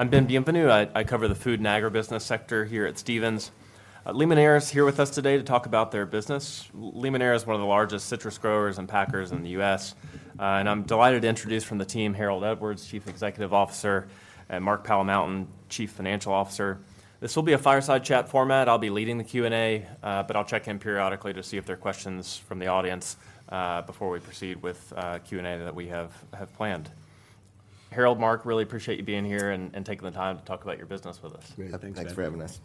I'm Ben Bienvenu. I cover the food and agribusiness sector here at Stephens. Limoneira is here with us today to talk about their business. Limoneira is one of the largest citrus growers and packers in the U.S, and I'm delighted to introduce from the team, Harold Edwards, Chief Executive Officer, and Mark Palamountain, Chief Financial Officer. This will be a fireside chat format. I'll be leading the Q&A, but I'll check in periodically to see if there are questions from the audience, before we proceed with Q&A that we have planned. Harold, Mark, really appreciate you being here and taking the time to talk about your business with us. Great. Thanks, Ben. Thanks for having us.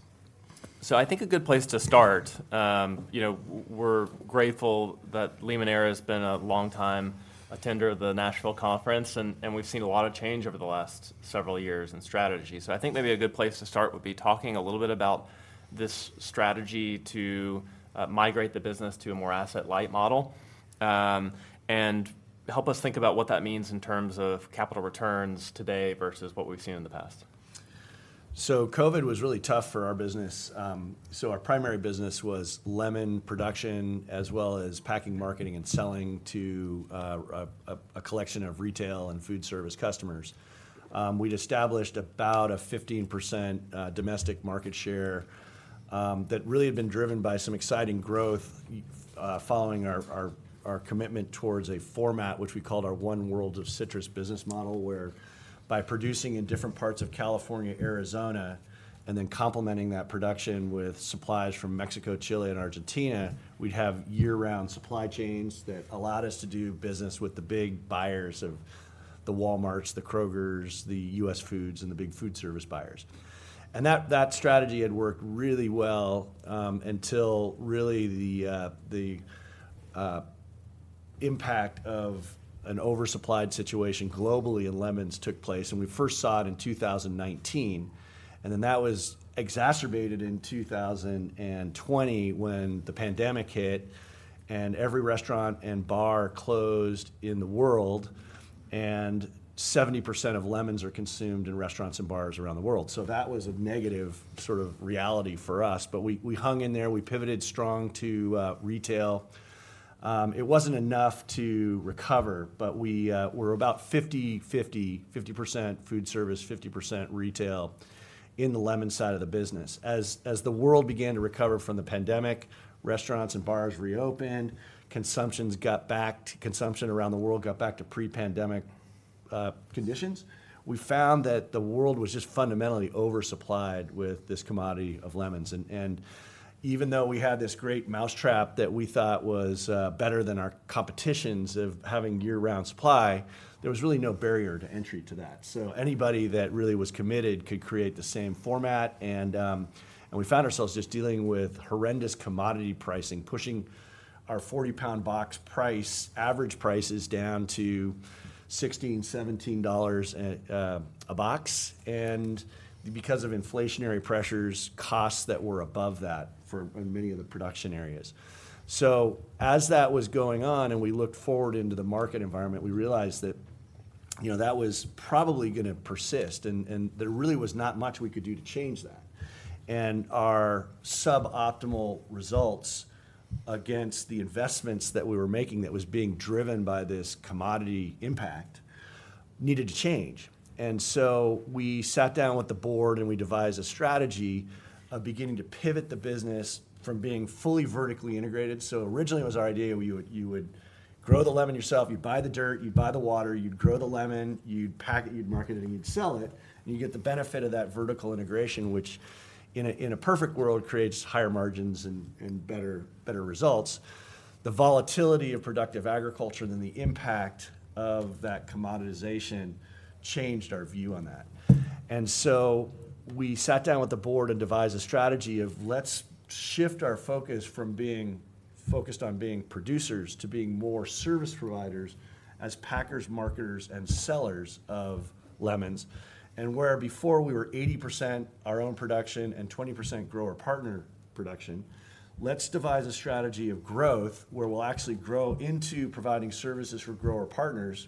So I think a good place to start, you know, we're grateful that Limoneira has been a long time attender of the Nashville Conference, and, and we've seen a lot of change over the last several years and strategy. So I think maybe a good place to start would be talking a little bit about this strategy to migrate the business to a more asset-light model and help us think about what that means in terms of capital returns today versus what we've seen in the past. So COVID was really tough for our business. Our primary business was lemon production, as well as packing, marketing, and selling to a collection of retail and food service customers. We'd established about a 15% domestic market share that really had been driven by some exciting growth following our commitment towards a format which we called our One World of Citrus business model, whereby producing in different parts of California, Arizona, and then complementing that production with supplies from Mexico, Chile, and Argentina, we'd have year-round supply chains that allowed us to do business with the big buyers of the Walmart, the Kroger, the US Foods, and the big food service buyers. That strategy had worked really well until really the impact of an oversupplied situation globally in lemons took place, and we first saw it in 2019. Then that was exacerbated in 2020 when the pandemic hit, and every restaurant and bar closed in the world, and 70% of lemons are consumed in restaurants and bars around the world. So that was a negative sort of reality for us. But we hung in there. We pivoted strong to retail. It wasn't enough to recover, but we were about 50-50 50% food service, 50% retail in the lemon side of the business. As the world began to recover from the pandemic, restaurants and bars reopened, consumption around the world got back to pre-pandemic conditions, we found that the world was just fundamentally oversupplied with this commodity of lemons. And even though we had this great mousetrap that we thought was better than our competition's of having year-round supply, there was really no barrier to entry to that. So anybody that really was committed could create the same format, and we found ourselves just dealing with horrendous commodity pricing, pushing our 40-pound box price, average prices, down to $16-$17 a box, and because of inflationary pressures, costs that were above that for many of the production areas. As that was going on and we looked forward into the market environment, we realized that, you know, that was probably gonna persist, and there really was not much we could do to change that. Our suboptimal results against the investments that we were making that was being driven by this commodity impact needed to change. So we sat down with the board, and we devised a strategy of beginning to pivot the business from being fully vertically integrated. Originally, it was our idea where you would, you would grow the lemon yourself, you'd buy the dirt, you'd buy the water, you'd grow the lemon, you'd pack it, you'd market it, and you'd sell it, and you get the benefit of that vertical integration, which in a perfect world, creates higher margins and, and better, better results. The volatility of productive agriculture, then the impact of that commoditization changed our view on that. And so we sat down with the board and devised a strategy of let's shift our focus from being focused on being producers to being more service providers as packers, marketers, and sellers of lemons. And where before we were 80% our own production and 20% grower-partner production, let's devise a strategy of growth, where we'll actually grow into providing services for grower partners.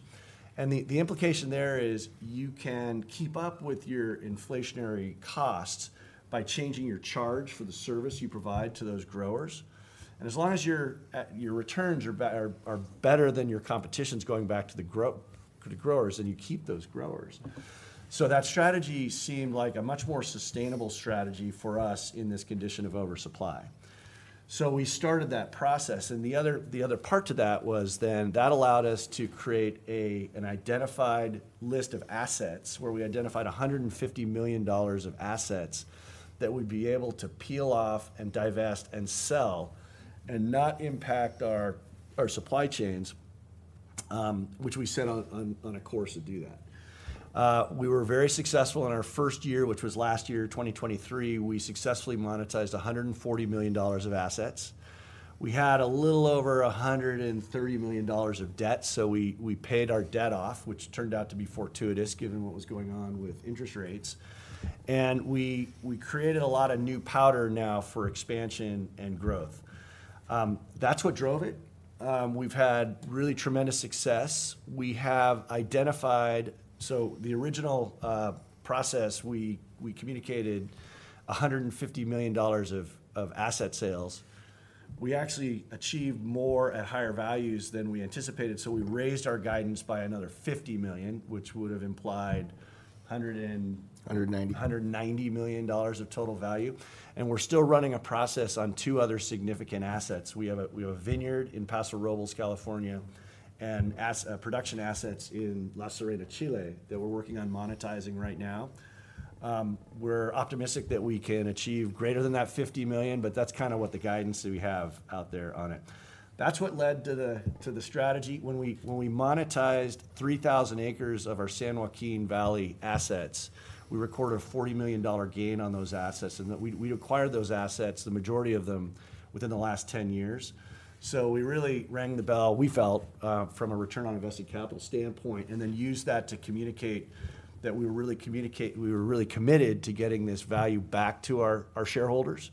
And the implication there is you can keep up with your inflationary costs by changing your charge for the service you provide to those growers. And as long as your returns are better than your competition's, going back to the growers, then you keep those growers. So that strategy seemed like a much more sustainable strategy for us in this condition of oversupply. So we started that process, and the other part to that was then that allowed us to create an identified list of assets, where we identified $150 million of assets that we'd be able to peel off and divest and sell and not impact our supply chains, which we set on a course to do that. We were very successful in our first year, which was last year, 2023. We successfully monetized $140 million of assets. We had a little over $130 million of debt, so we paid our debt off, which turned out to be fortuitous, given what was going on with interest rates. And we created a lot of new powder now for expansion and growth. That's what drove it. We've had really tremendous success. We have identified. So the original process, we communicated $150 million of asset sales. We actually achieved more at higher values than we anticipated, so we raised our guidance by another $50 million, which would have implied 100 and 190. $190 million of total value. We're still running a process on two other significant assets. We have a vineyard in Paso Robles, California, and production assets in La Serena, Chile, that we're working on monetizing right now. We're optimistic that we can achieve greater than that $50 million, but that's kind of what the guidance that we have out there on it. That's what led to the strategy. When we monetized 3,000 acres of our San Joaquin Valley assets, we recorded a $40 million gain on those assets, and we'd acquired those assets, the majority of them, within the last 10 years. So we really rang the bell, we felt, from a return on invested capital standpoint, and then used that to communicate that we were really committed to getting this value back to our shareholders.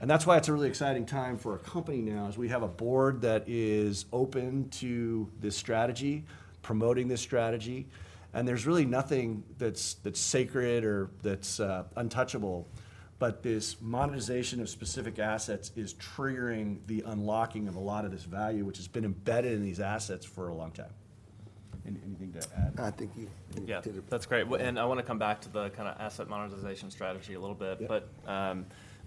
And that's why it's a really exciting time for our company now, is we have a board that is open to this strategy, promoting this strategy, and there's really nothing that's sacred or that's untouchable. But this monetization of specific assets is triggering the unlocking of a lot of this value, which has been embedded in these assets for a long time. Anything to add? I think you did it. Yeah. That's great. Well, and I want to come back to the kind of asset monetization strategy a little bit. But,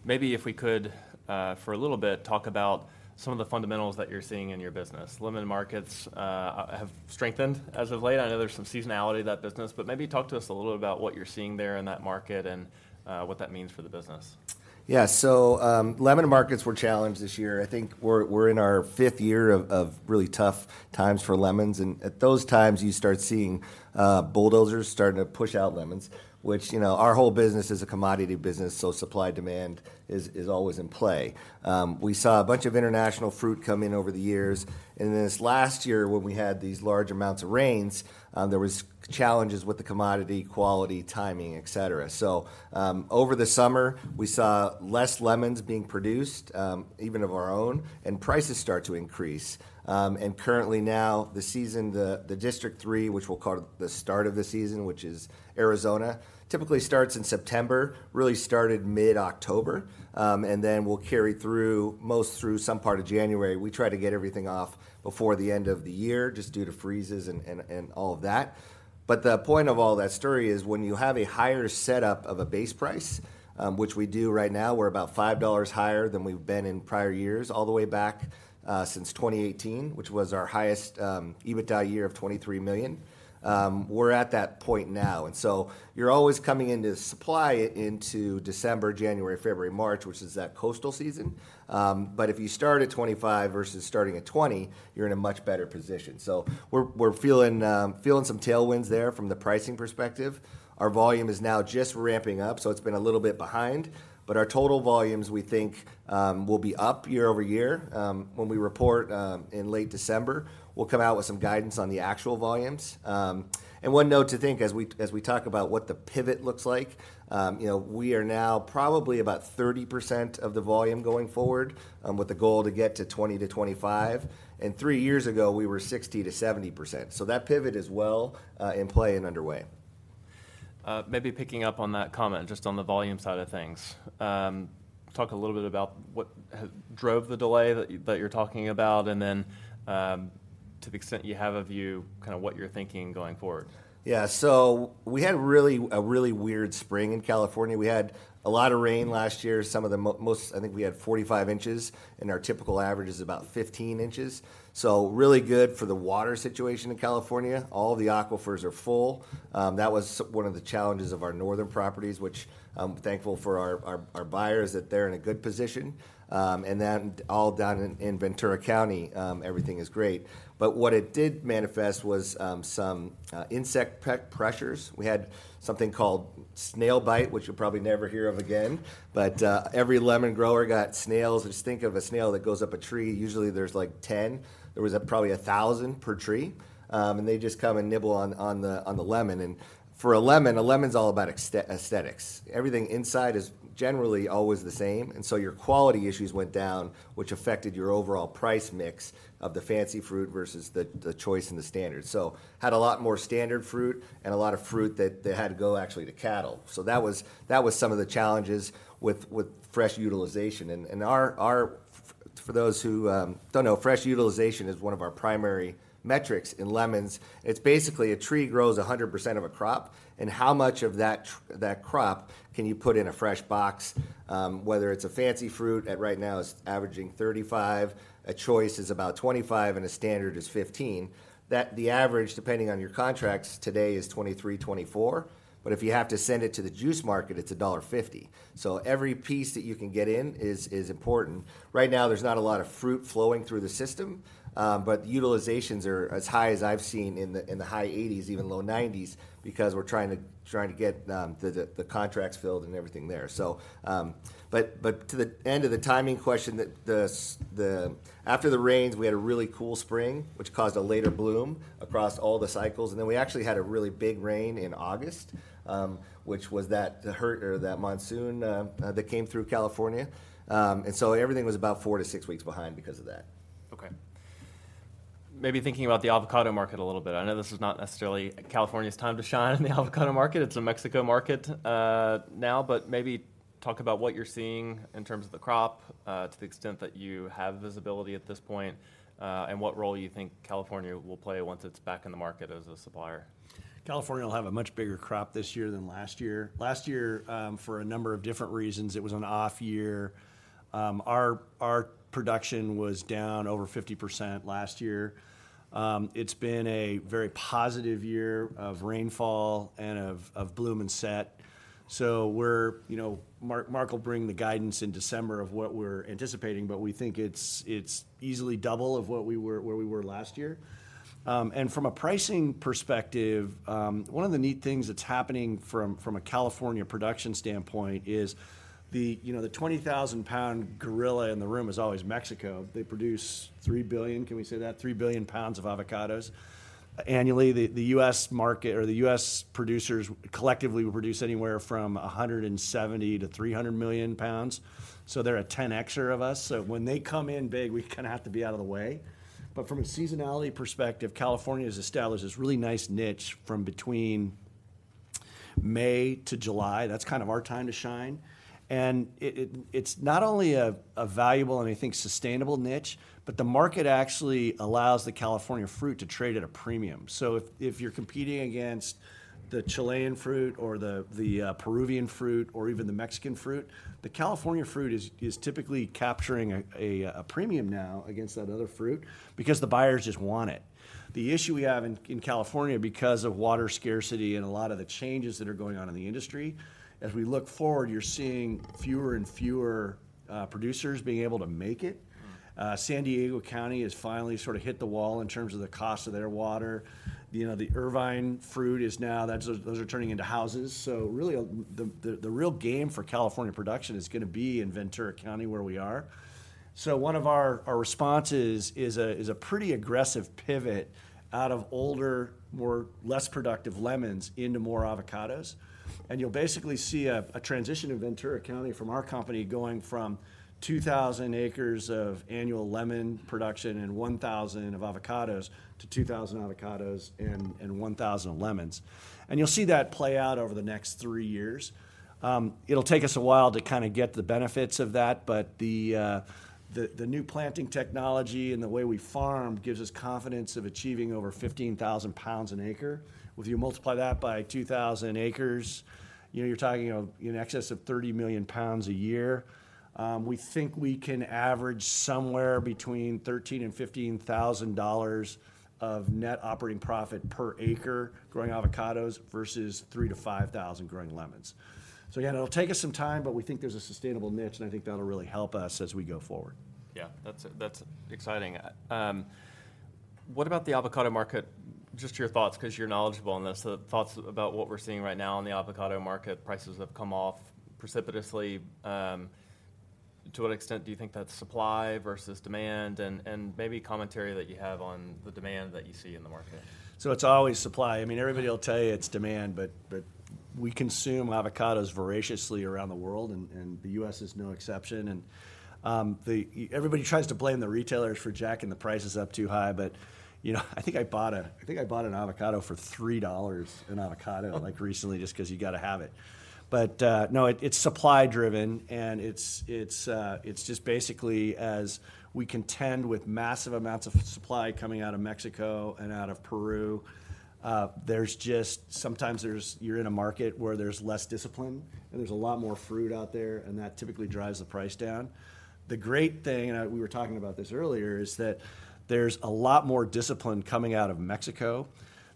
maybe if we could, for a little bit, talk about some of the fundamentals that you're seeing in your business. Lemon markets have strengthened as of late. I know there's some seasonality to that business, but maybe talk to us a little about what you're seeing there in that market and what that means for the business. Yeah. So, lemon markets were challenged this year. I think we're in our fifth year of really tough times for lemons, and at those times, you start seeing bulldozers starting to push out lemons, which, you know, our whole business is a commodity business, so supply-demand is always in play. We saw a bunch of international fruit come in over the years, and this last year when we had these large amounts of rains, there was challenges with the commodity, quality, timing, et cetera. So, over the summer, we saw less lemons being produced, even of our own, and prices start to increase. And currently now, the season, the District Three, which we'll call the start of the season, which is Arizona, typically starts in September, really started mid-October, and then will carry through most through some part of January. We try to get everything off before the end of the year, just due to freezes and all of that. But the point of all that story is when you have a higher setup of a base price, which we do right now, we're about $5 higher than we've been in prior years, all the way back since 2018, which was our highest EBITDA year of $23 million. We're at that point now, and so you're always coming into supply into December, January, February, March, which is that coastal season. But if you start at 25 versus starting at 20, you're in a much better position. So we're feeling some tailwinds there from the pricing perspective. Our volume is now just ramping up, so it's been a little bit behind, but our total volumes, we think, will be up year-over-year. When we report in late December, we'll come out with some guidance on the actual volumes. And one note to think as we talk about what the pivot looks like, you know, we are now probably about 30% of the volume going forward, with the goal to get to 20-25, and three years ago, we were 60%-70%, so that pivot is well in play and underway. Maybe picking up on that comment, just on the volume side of things. Talk a little bit about what have drove the delay that you, that you're talking about, and then, to the extent you have a view, kind of what you're thinking going forward? Yeah. So we had really a really weird spring in California. We had a lot of rain last year. Some of the most, I think we had 45 inches, and our typical average is about 15 inches. So really good for the water situation in California. All the aquifers are full. That was one of the challenges of our northern properties, which I'm thankful for our buyers, that they're in a good position. And then all down in Ventura County, everything is great. But what it did manifest was some insect pressures. We had something called snail bite, which you'll probably never hear of again, but every lemon grower got snails. Just think of a snail that goes up a tree, usually there's, like, 10. There was probably 1,000 per tree. They just come and nibble on the lemon. And for a lemon, a lemon's all about aesthetics. Everything inside is generally always the same, and so your quality issues went down, which affected your overall price mix of the fancy fruit versus the choice and the standard. So had a lot more standard fruit, and a lot of fruit that had to go actually to cattle. So that was some of the challenges with fresh utilization. And for those who don't know, fresh utilization is one of our primary metrics in lemons. It's basically a tree grows 100% of a crop, and how much of that crop can you put in a fresh box? Whether it's a fancy fruit, right now it's averaging 35, a choice is about 25, and a standard is 15. That, the average, depending on your contracts, today, is 23-24, but if you have to send it to the juice market, it's $1.50. So every piece that you can get in is important. Right now, there's not a lot of fruit flowing through the system, but the utilizations are as high as I've seen, in the high 80s, even low 90s, because we're trying to get the contracts filled and everything there. So... But to the end of the timing question, after the rains, we had a really cool spring, which caused a later bloom across all the cycles, and then we actually had a really big rain in August, which was that monsoon that came through California. And so everything was about four-six weeks behind because of that. Maybe thinking about the avocado market a little bit. I know this is not necessarily California's time to shine in the avocado market. It's a Mexico market, now, but maybe talk about what you're seeing in terms of the crop, to the extent that you have visibility at this point, and what role you think California will play once it's back in the market as a supplier. California will have a much bigger crop this year than last year. Last year, for a number of different reasons, it was an off year. Our production was down over 50% last year. It's been a very positive year of rainfall and of bloom and set, so we're... You know, Mark, Mark will bring the guidance in December of what we're anticipating, but we think it's, it's easily double of what we were- where we were last year. And from a pricing perspective, one of the neat things that's happening from, from a California production standpoint is the, you know, the 20,000-pound gorilla in the room is always Mexico. They produce 3 billion, can we say that? 3 billion pounds of avocados annually. The U.S. market or the U.S. producers collectively will produce anywhere from 170 million pounds - 300 million pounds, so they're a 10x-er of us. So when they come in big, we kinda have to be out of the way. But from a seasonality perspective, California has established this really nice niche from between May to July. That's kind of our time to shine. And it, it's not only a valuable and, I think, sustainable niche, but the market actually allows the California fruit to trade at a premium. So if you're competing against the Chilean fruit or the Peruvian fruit or even the Mexican fruit, the California fruit is typically capturing a premium now against that other fruit because the buyers just want it. The issue we have in California, because of water scarcity and a lot of the changes that are going on in the industry, as we look forward, you're seeing fewer and fewer producers being able to make it. San Diego County has finally sort of hit the wall in terms of the cost of their water. You know, the Irvine fruit is now, those are turning into houses. So really, the real game for California production is gonna be in Ventura County, where we are. So one of our responses is a pretty aggressive pivot out of older, more, less productive lemons into more avocados. And you'll basically see a transition of Ventura County from our company going from 2,000 acres of annual lemon production and 1,000 of avocados to 2,000 avocados and one thousand lemons. And you'll see that play out over the next three years. It'll take us a while to kind of get the benefits of that, but the new planting technology and the way we farm gives us confidence of achieving over 15,000 pounds an acre. If you multiply that by 2,000 acres, you know, you're talking, you know, in excess of 30 million pounds a year. We think we can average somewhere between $13,000 and $15,000 of net operating profit per acre growing avocados versus $3,000-$5,000 growing lemons. So again, it'll take us some time, but we think there's a sustainable niche, and I think that'll really help us as we go forward. Yeah, that's exciting. What about the avocado market? Just your thoughts, 'cause you're knowledgeable on this, the thoughts about what we're seeing right now in the avocado market. Prices have come off precipitously. To what extent do you think that's supply versus demand, and maybe commentary that you have on the demand that you see in the market? So it's always supply. I mean, everybody will tell you it's demand, but, but we consume avocados voraciously around the world, and, and the US is no exception. And, everybody tries to blame the retailers for jacking the prices up too high, but, you know, I think I bought an avocado for $3 an avocado, like, recently, just 'cause you gotta have it. But, no, it's supply driven, and it's just basically as we contend with massive amounts of supply coming out of Mexico and out of Peru, there's just sometimes you're in a market where there's less discipline, and there's a lot more fruit out there, and that typically drives the price down. The great thing, and, we were talking about this earlier, is that there's a lot more discipline coming out of Mexico.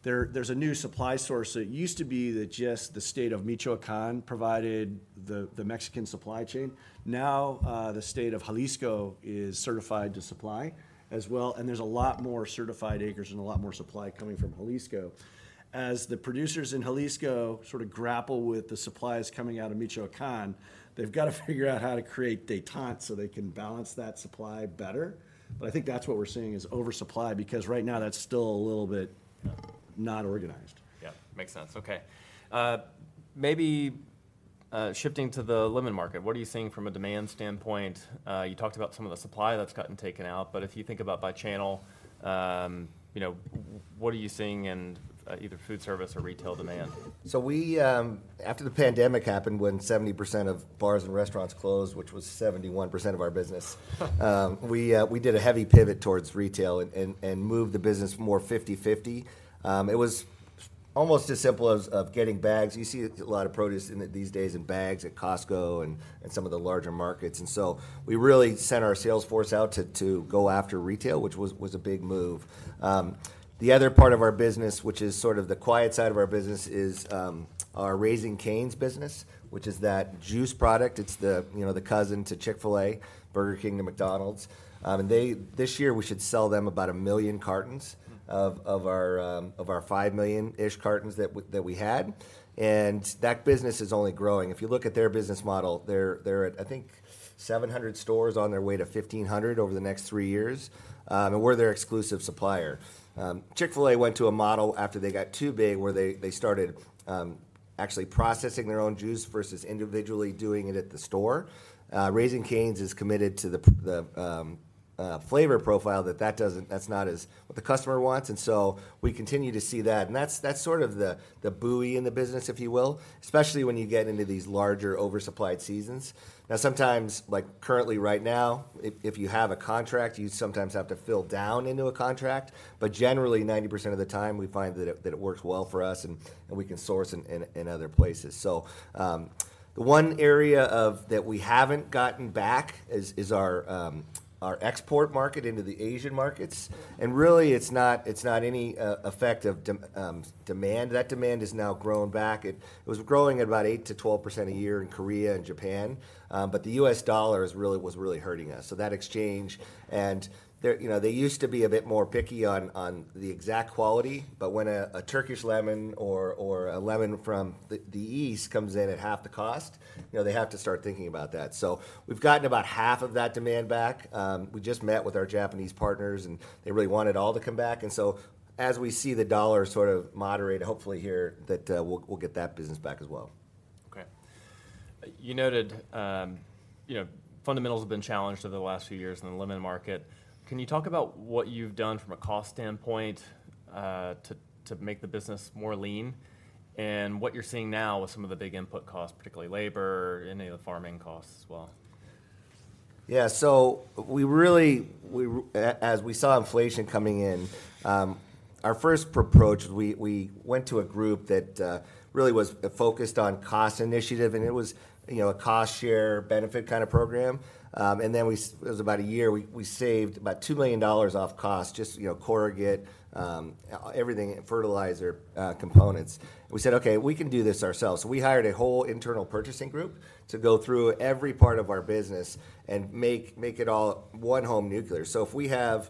There, there's a new supply source. It used to be that just the state of Michoacán provided the Mexican supply chain. Now, the state of Jalisco is certified to supply as well, and there's a lot more certified acres and a lot more supply coming from Jalisco. As the producers in Jalisco sort of grapple with the supplies coming out of Michoacán, they've got to figure out how to create détente so they can balance that supply better. But I think that's what we're seeing, is oversupply, because right now that's still a little bit not organized. Yeah, makes sense. Okay. Maybe shifting to the lemon market, what are you seeing from a demand standpoint? You talked about some of the supply that's gotten taken out, but if you think about by channel, you know, what are you seeing in either food service or retail demand? So we, after the pandemic happened, when 70% of bars and restaurants closed, which was 71% of our business—we did a heavy pivot towards retail and moved the business more 50/50. It was almost as simple as getting bags. You see a lot of produce in the these days in bags at Costco and some of the larger markets, and so we really sent our sales force out to go after retail, which was a big move. The other part of our business, which is sort of the quiet side of our business, is our Raising Cane's business, which is that juice product. It's the, you know, the cousin to Chick-fil-A, Burger King to McDonald's. And they... This year, we should sell them about 1 million cartons of our five million-ish cartons that we had, and that business is only growing. If you look at their business model, they're at, I think, 700 stores on their way to 1,500 over the next three years. And we're their exclusive supplier. Chick-fil-A went to a model after they got too big, where they, they started, actually processing their own juice versus individually doing it at the store. Raising Cane's is committed to the the flavor profile that that doesn't, that's not as what the customer wants, and so we continue to see that. And that's, that's sort of the, the buoy in the business, if you will, especially when you get into these larger, oversupplied seasons. Now, sometimes, like currently right now, if, if you have a contract, you sometimes have to fill down into a contract, but generally, 90% of the time, we find that it, that it works well for us, and, and we can source in other places. So, the one area of that we haven't gotten back is our export market into the Asian markets, and really, it's not any effect of demand. That demand has now grown back. It was growing at about 8%-12% a year in Korea and Japan, but the US dollar is really- was really hurting us, so that exchange. And they're, you know, they used to be a bit more picky on the exact quality, but when a Turkish lemon or a lemon from the East comes in at half the cost, you know, they have to start thinking about that. So we've gotten about half of that demand back. We just met with our Japanese partners, and they really want it all to come back, and so as we see the US dollar sort of moderate, hopefully hear that, we'll get that business back as well. Okay. You noted, you know, fundamentals have been challenged over the last few years in the lemon market. Can you talk about what you've done from a cost standpoint, to make the business more lean, and what you're seeing now with some of the big input costs, particularly labor, and any of the farming costs as well? Yeah, so we really as we saw inflation coming in, our first approach, we went to a group that really was focused on cost initiative, and it was, you know, a cost-share benefit kind of program. And then it was about a year. We saved about $2 million off cost, just, you know, corrugate, everything, fertilizer, components. We said, "Okay, we can do this ourselves." So we hired a whole internal purchasing group to go through every part of our business and make it all one homogeneous. So if we have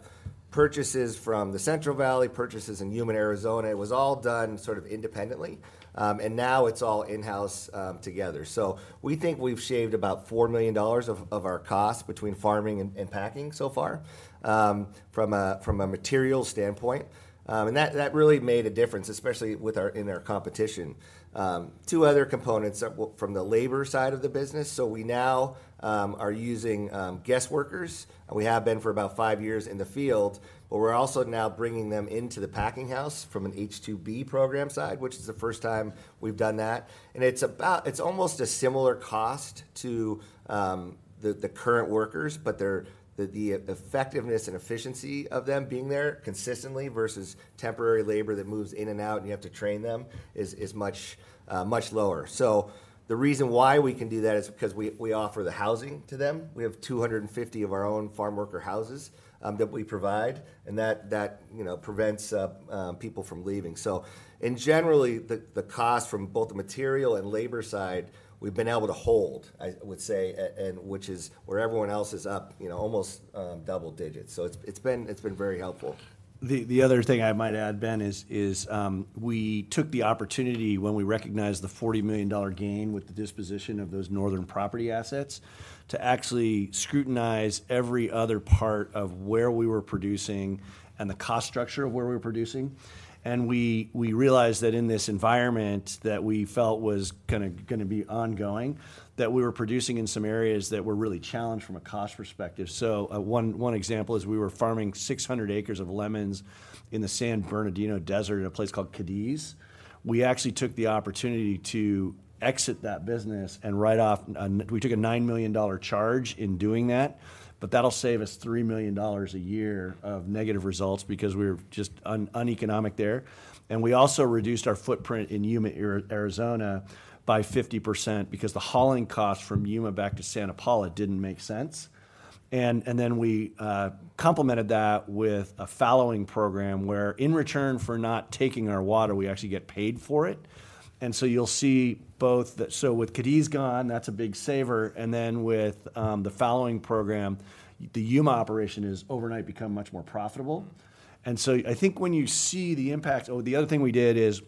purchases from the Central Valley, purchases in Yuma, Arizona, it was all done sort of independently, and now it's all in-house, together. So we think we've shaved about $4 million of our cost between farming and packing so far, from a materials standpoint, and that really made a difference, especially with our competition. Two other components from the labor side of the business, so we now are using guest workers, and we have been for about five years in the field. But we're also now bringing them into the packing house from an H-2B program side, which is the first time we've done that, and it's almost a similar cost to the current workers, but the effectiveness and efficiency of them being there consistently versus temporary labor that moves in and out, and you have to train them, is much lower. So the reason why we can do that is because we offer the housing to them. We have 250 of our own farm worker houses that we provide, and that you know prevents people from leaving. So and generally, the cost from both the material and labor side, we've been able to hold, I would say, and which is where everyone else is up, you know, almost double digits. So it's been very helpful. The other thing I might add, Ben, is we took the opportunity when we recognized the $40 million gain with the disposition of those northern property assets, to actually scrutinize every other part of where we were producing and the cost structure of where we were producing. And we realized that in this environment that we felt was kinda gonna be ongoing, that we were producing in some areas that were really challenged from a cost perspective. So, one example is we were farming 600 acres of lemons in the San Bernardino Desert in a place called Cadiz. We actually took the opportunity to exit that business and write off. We took a $9 million charge in doing that, but that'll save us $3 million a year of negative results because we were just uneconomic there. And we also reduced our footprint in Yuma, Arizona, by 50% because the hauling costs from Yuma back to Santa Paula didn't make sense. And then we complemented that with a fallowing program, where in return for not taking our water, we actually get paid for it. And so you'll see both that. So with Cadiz gone, that's a big saver, and then with the fallowing program, the Yuma operation has overnight become much more profitable. And so I think when you see the impact. Oh, the other thing we did is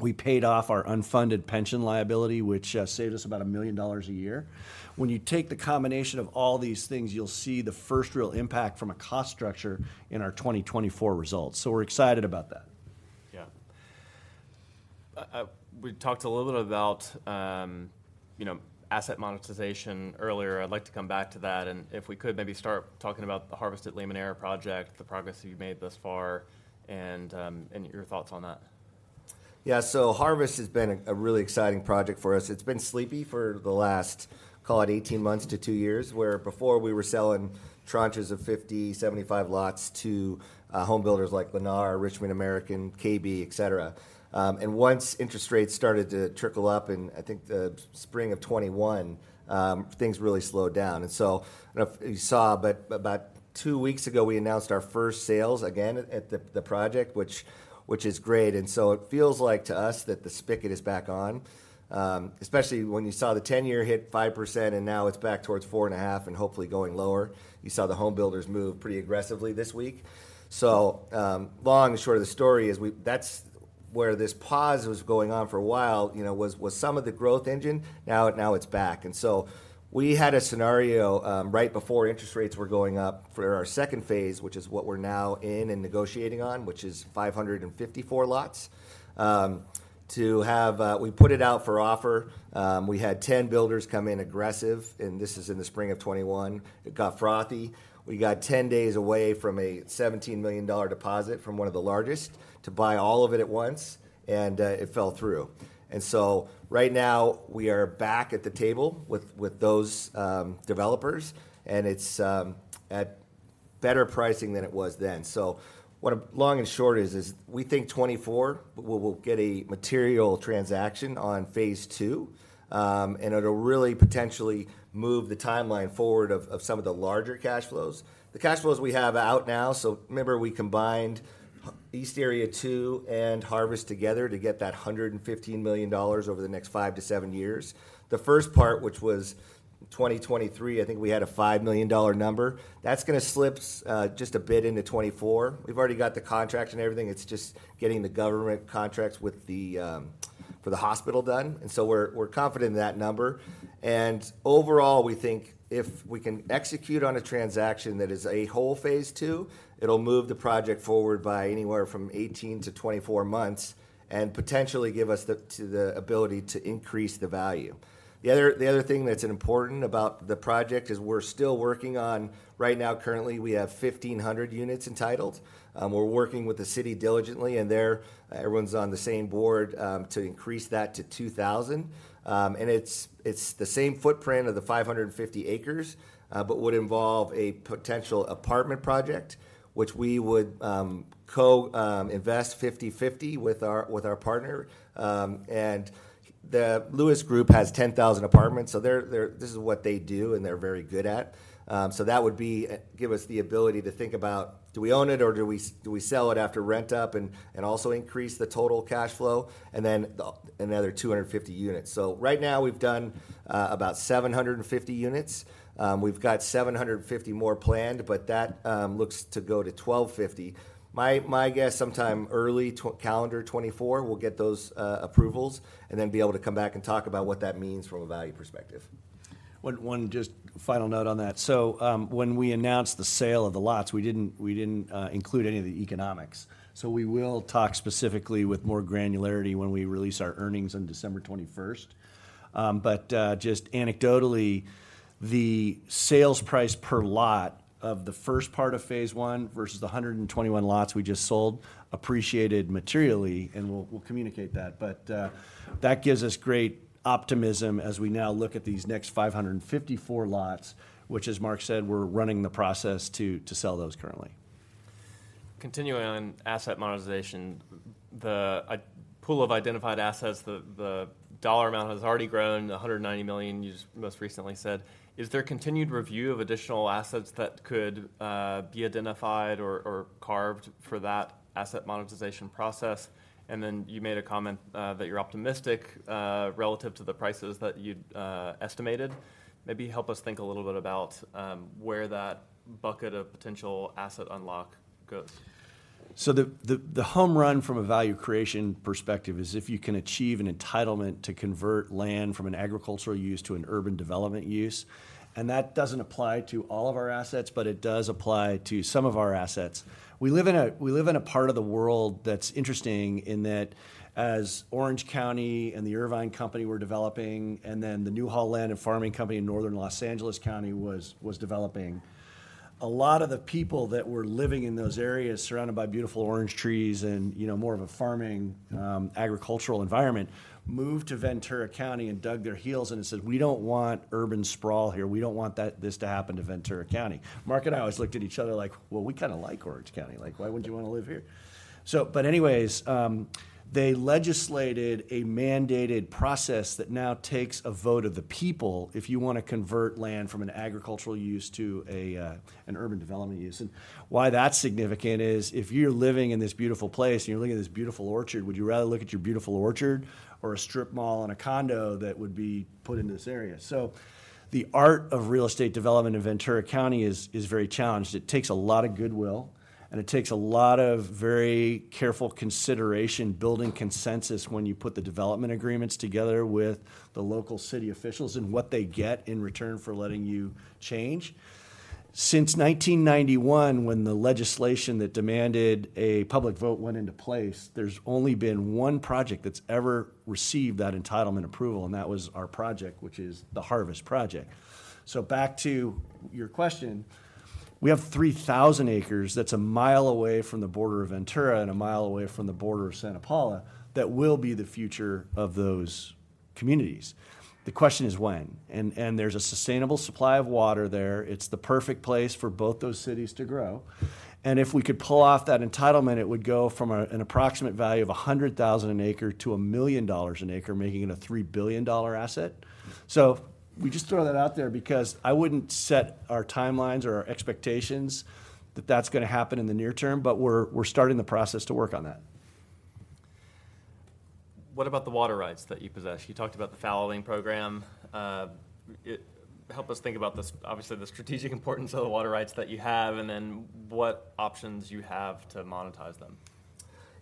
we paid off our unfunded pension liability, which saved us about $1 million a year. When you take the combination of all these things, you'll see the first real impact from a cost structure in our 2024 results, so we're excited about that. Yeah. We talked a little bit about, you know, asset monetization earlier. I'd like to come back to that, and if we could maybe start talking about the Harvest at Limoneira project, the progress you've made thus far, and your thoughts on that. Yeah, so Harvest has been a really exciting project for us. It's been sleepy for the last, call it 18 months to two years, where before we were selling tranches of 50, 75 lots to home builders like Lennar, Richmond American, KB, et cetera. Once interest rates started to trickle up in, I think, the spring of 2021, things really slowed down. I don't know if you saw, but about two weeks ago, we announced our first sales again at the project, which is great. It feels like, to us, that the spigot is back on. Especially when you saw the 10-year hit 5%, and now it's back towards 4.5% and hopefully going lower. You saw the home builders move pretty aggressively this week. So, long and short of the story is where this pause was going on for a while, you know, was some of the growth engine, now it's back. And so we had a scenario right before interest rates were going up for our second phase, which is what we're now in and negotiating on, which is 554 lots to have. We put it out for offer. We had 10 builders come in aggressive, and this is in the spring of 2021. It got frothy. We got 10 days away from a $17 million deposit from one of the largest to buy all of it at once, and it fell through. And so right now, we are back at the table with those developers, and it's at better pricing than it was then. So what a long and short is, is we think 2024, we'll get a material transaction on phase two. And it'll really potentially move the timeline forward of some of the larger cash flows. The cash flows we have out now, so remember, we combined East Area Two and Harvest together to get that $115 million over the next five-seven years. The first part, which was 2023, I think we had a $5 million number. That's gonna slip just a bit into 2024. We've already got the contracts and everything. It's just getting the government contracts with the, for the hospital done, and so we're confident in that number. Overall, we think if we can execute on a transaction that is a whole phase two, it'll move the project forward by anywhere from 18-24 months, and potentially give us the ability to increase the value. The other thing that's important about the project is we're still working on. Right now, currently, we have 1,500 units entitled. We're working with the city diligently, and they're – everyone's on the same page, to increase that to 2,000. And it's the same footprint of the 550 acres, but would involve a potential apartment project, which we would invest 50/50 with our partner. And the Lewis Group has 10,000 apartments, so they're – this is what they do, and they're very good at. So that would be give us the ability to think about, do we own it, or do we sell it after rent up, and also increase the total cash flow? And then another 250 units. So right now, we've done about 750 units. We've got 750 more planned, but that looks to go to 1,250. My guess, sometime early calendar 2024, we'll get those approvals, and then be able to come back and talk about what that means from a value perspective. Just one final note on that. So, when we announced the sale of the lots, we didn't include any of the economics. So we will talk specifically with more granularity when we release our earnings on December 21st. But just anecdotally, the sales price per lot of the first part of phase one versus the 121 lots we just sold appreciated materially, and we'll communicate that. But that gives us great optimism as we now look at these next 554 lots, which, as Mark said, we're running the process to sell those currently. Continuing on asset monetization, the pool of identified assets, the dollar amount has already grown to $190 million, you just most recently said. Is there continued review of additional assets that could be identified or carved for that asset monetization process? And then you made a comment that you're optimistic relative to the prices that you'd estimated. Maybe help us think a little bit about where that bucket of potential asset unlock goes. So the home run from a value creation perspective is if you can achieve an entitlement to convert land from an agricultural use to an urban development use, and that doesn't apply to all of our assets, but it does apply to some of our assets. We live in a part of the world that's interesting in that as Orange County and the Irvine Company were developing, and then the Newhall Land and Farming Company in Northern Los Angeles County was developing, a lot of the people that were living in those areas surrounded by beautiful orange trees and, you know, more of a farming, agricultural environment, moved to Ventura County and dug their heels and said, "We don't want urban sprawl here. We don't want that—this to happen to Ventura County." Mark and I always looked at each other like, "Well, we kind of like Orange County. Like, why wouldn't you want to live here?" So but anyways, they legislated a mandated process that now takes a vote of the people if you want to convert land from an agricultural use to a, an urban development use. And why that's significant is, if you're living in this beautiful place, and you're looking at this beautiful orchard, would you rather look at your beautiful orchard or a strip mall and a condo that would be put into this area? So the art of real estate development in Ventura County is very challenged. It takes a lot of goodwill, and it takes a lot of very careful consideration, building consensus when you put the development agreements together with the local city officials and what they get in return for letting you change. Since 1991, when the legislation that demanded a public vote went into place, there's only been one project that's ever received that entitlement approval, and that was our project, which is the Harvest Project. So back to your question, we have 3,000 acres that's a mile away from the border of Ventura and a mile away from the border of Santa Paula, that will be the future of those communities. The question is when? And, and there's a sustainable supply of water there. It's the perfect place for both those cities to grow, and if we could pull off that entitlement, it would go from an approximate value of $100,000 an acre to $1 million an acre, making it a $3 billion dollar asset. So we just throw that out there because I wouldn't set our timelines or our expectations that that's gonna happen in the near term, but we're, we're starting the process to work on that. What about the water rights that you possess? You talked about the fallowing program. Help us think about the, obviously, the strategic importance of the water rights that you have, and then what options you have to monetize them.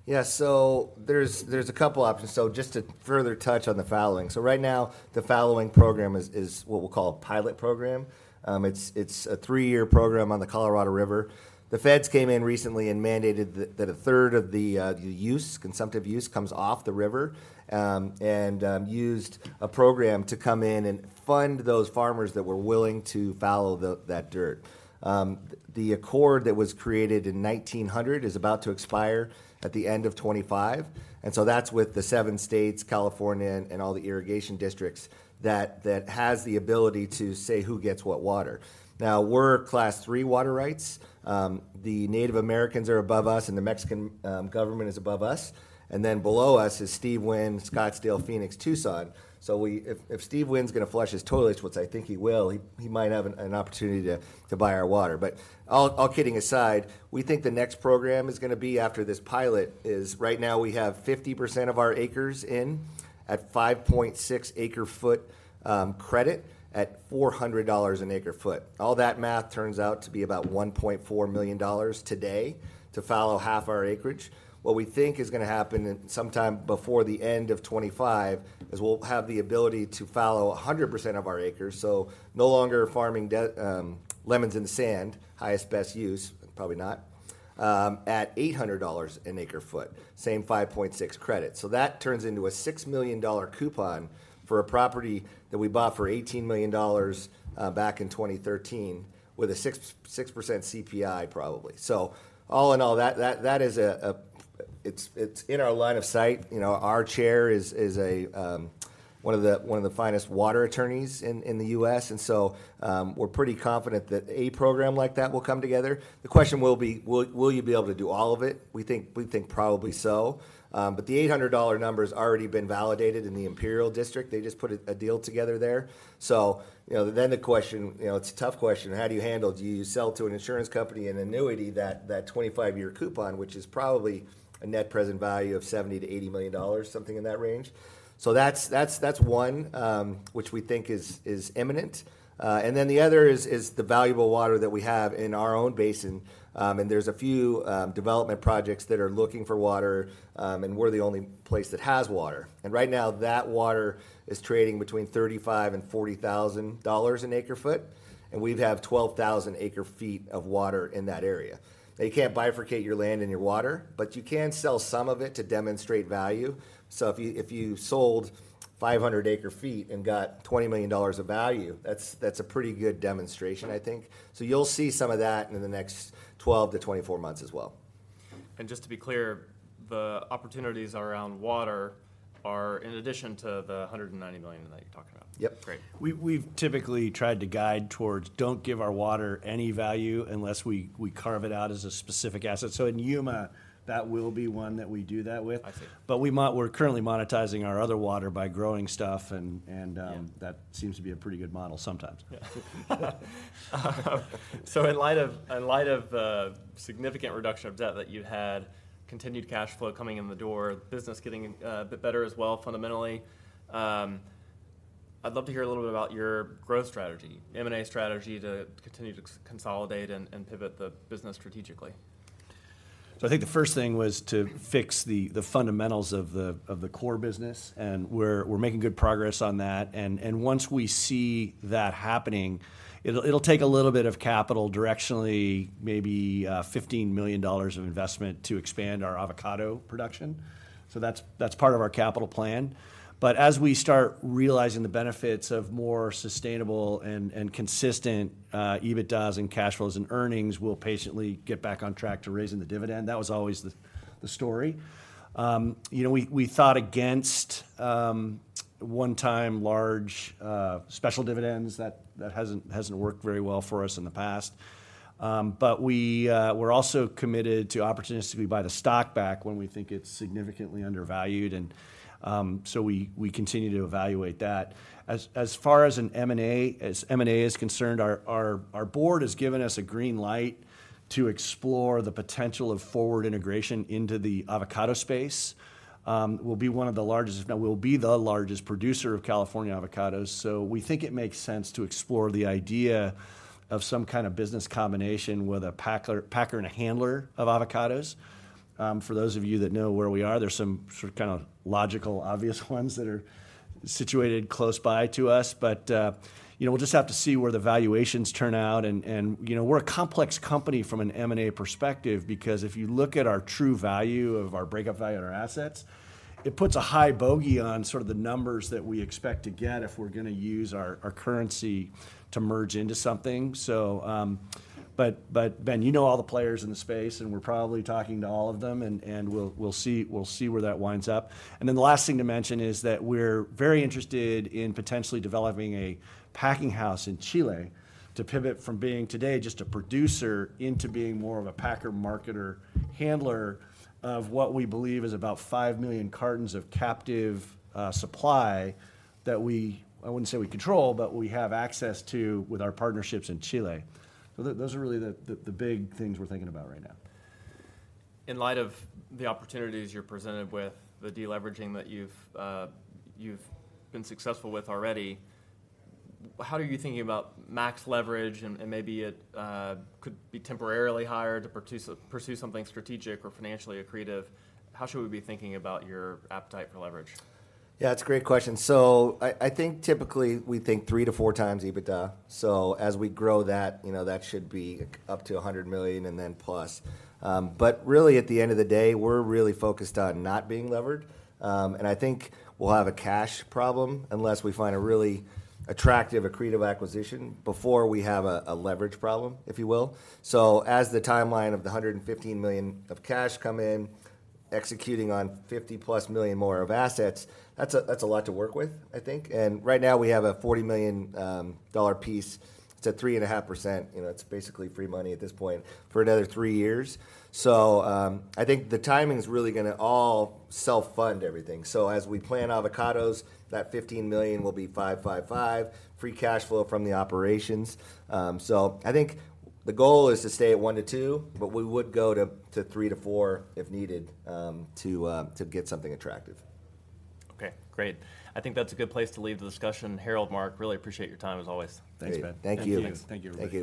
Yeah, so there's a couple options. So just to further touch on the fallowing: so right now, the fallowing program is what we'll call a pilot program. It's a three-year program on the Colorado River. The Feds came in recently and mandated that a third of the use, consumptive use, comes off the river, and used a program to come in and fund those farmers that were willing to fallow that dirt. The accord that was created in 1900 is about to expire at the end of 2025, and so that's with the seven states, California and all the irrigation districts, that has the ability to say who gets what water. Now, we're Class Three water rights. The Native Americans are above us, and the Mexican government is above us, and then below us is Steve Wynn, Scottsdale, Phoenix, Tucson. So if Steve Wynn's gonna flush his toilets, which I think he will, he might have an opportunity to buy our water. But all kidding aside, we think the next program is gonna be after this pilot. Right now we have 50% of our acres in at 5.6 acre foot credit at $400 an acre foot. All that math turns out to be about $1.4 million today to fallow half our acreage. What we think is gonna happen in... Sometime before the end of 2025, we'll have the ability to fallow 100% of our acres, so no longer farming lemons into sand. Highest, best use, probably not, at $800 an acre-foot, same 5.6 credit. So that turns into a $6 million coupon for a property that we bought for $18 million back in 2013, with a 6.6% CPI probably. So all in all, that is a... It's in our line of sight. You know, our chair is one of the finest water attorneys in the U.S., and so we're pretty confident that a program like that will come together. The question will be, will you be able to do all of it? We think, we think probably so, but the $800 number's already been validated in the Imperial District. They just put a deal together there. So you know, then the question, you know, it's a tough question, how do you handle it? Do you sell to an insurance company an annuity that, that 25-year coupon, which is probably a net present value of $70 million-$80 million, something in that range? So that's, that's, that's one, which we think is, is imminent. And then the other is, is the valuable water that we have in our own basin, and there's a few development projects that are looking for water, and we're the only place that has water. Right now, that water is trading between $35,000-$40,000 an acre foot, and we have 12,000 acre feet of water in that area. Now, you can't bifurcate your land and your water, but you can sell some of it to demonstrate value. So if you, if you sold 500 acre feet and got $20 million of value, that's, that's a pretty good demonstration, I think. So you'll see some of that in the next 12-24 months as well. Just to be clear, the opportunities around water are in addition to the $190 million that you're talking about? Yep. Great. We've typically tried to guide towards, "Don't give our water any value unless we carve it out as a specific asset." So in Yuma, that will be one that we do that with- I see.... but we're currently monetizing our other water by growing stuff, and that seems to be a pretty good model sometimes. So in light of, in light of the significant reduction of debt that you had, continued cash flow coming in the door, business getting a bit better as well fundamentally, I'd love to hear a little bit about your growth strategy, M&A strategy, to continue to consolidate and, and pivot the business strategically. So I think the first thing was to fix the fundamentals of the core business, and we're making good progress on that. And once we see that happening, it'll take a little bit of capital, directionally maybe $15 million of investment to expand our avocado production, so that's part of our capital plan. But as we start realizing the benefits of more sustainable and consistent EBITDAs and cash flows and earnings, we'll patiently get back on track to raising the dividend. That was always the story. You know, we fought against one-time large special dividends. That hasn't worked very well for us in the past. But we're also committed to opportunities to buy the stock back when we think it's significantly undervalued, and so we continue to evaluate that. As far as M&A is concerned, our board has given us a green light to explore the potential of forward integration into the avocado space. We'll be one of the largest... Now, we'll be the largest producer of California avocados, so we think it makes sense to explore the idea of some kind of business combination with a packer and a handler of avocados. For those of you that know where we are, there's some sort of kind of logical, obvious ones that are situated close by to us. But you know, we'll just have to see where the valuations turn out. You know, we're a complex company from an M&A perspective because if you look at our true value of our breakout value of our assets, it puts a high bogey on sort of the numbers that we expect to get if we're gonna use our, our currency to merge into something. So, but, but, Ben, you know all the players in the space, and we're probably talking to all of them, and, and we'll, we'll see, we'll see where that winds up. And then the last thing to mention is that we're very interested in potentially developing a packing house in Chile, to pivot from being today just a producer into being more of a packer, marketer, handler of what we believe is about five million cartons of captive supply that we... I wouldn't say we control, but we have access to with our partnerships in Chile. So those are really the big things we're thinking about right now. In light of the opportunities you're presented with, the de-leveraging that you've, you've been successful with already, how are you thinking about max leverage? And maybe it could be temporarily higher to pursue something strategic or financially accretive. How should we be thinking about your appetite for leverage? Yeah, it's a great question. So I think typically, we think 3-4x EBITDA. So as we grow that, you know, that should be up to $100 million and then plus. But really, at the end of the day, we're really focused on not being levered, and I think we'll have a cash problem unless we find a really attractive, accretive acquisition before we have a leverage problem, if you will. So as the timeline of the $115 million of cash come in, executing on $50+ million more of assets, that's a lot to work with, I think, and right now, we have a $40 million dollar piece. It's at 3.5%. You know, it's basically free money at this point, for another three years. So, I think the timing's really gonna all self-fund everything. So as we plant avocados, that $15 million will be $5 million, $5 million, $5 million free cash flow from the operations. So I think the goal is to stay at one-two, but we would go to three-four if needed, to get something attractive. Okay, great. I think that's a good place to leave the discussion. Harold, Mark, really appreciate your time, as always. Thanks, Ben. Thank you. Thank you. Thank you, everybody.